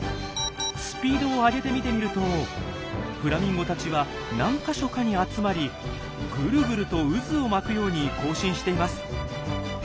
スピードを上げて見てみるとフラミンゴたちは何か所かに集まりぐるぐると渦を巻くように行進しています。